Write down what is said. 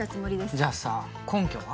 じゃあさ根拠は？